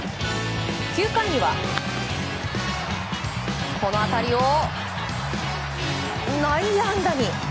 ９回にはこの当たりを内野安打に。